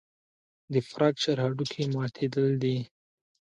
د فراکچر هډوکی ماتېدل دي.